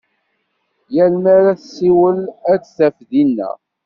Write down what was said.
Yal mi ara tessiwel a t-taf dinna.